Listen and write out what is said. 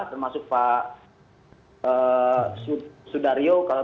termasuk pak sudaryo